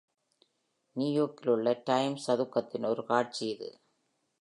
நியூயார்க்கிலுள்ள time சதுக்கத்தின் ஒரு காட்சி இது.